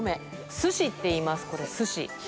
すしって言います、これ、すし。